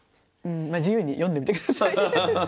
まあ自由に読んでみて下さい。